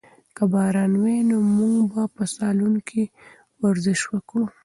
که باران وي نو موږ به په سالون کې ورزش وکړو.